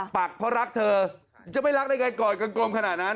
ปักเพราะรักเธอจะไม่รักได้ไงกอดกันกลมขนาดนั้น